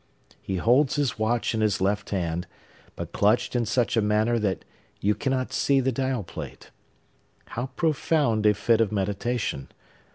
He holds his watch in his left hand, but clutched in such a manner that you cannot see the dial plate. How profound a fit of meditation!